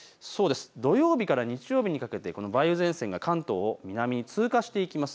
土曜日から日曜日にかけて梅雨前線が関東を南に通過していきます。